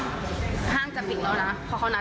แต่เขาไม่ตอบหลังจากนั้นเขาก็บล็อกเออเขาก็บล็อกไลน์เรา